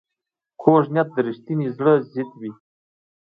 کوږ نیت د رښتیني زړه ضد وي